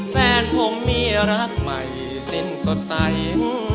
แฟนผมมีรักใหม่สิ้นสดใส